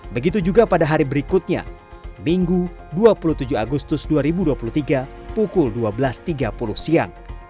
begitu juga pada hari berikutnya minggu dua puluh tujuh agustus dua ribu dua puluh tiga pukul dua belas tiga puluh siang